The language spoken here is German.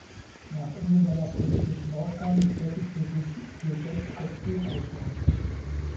Nach Ende seiner politischen Laufbahn betätigte sich Phil Batt als Buchautor.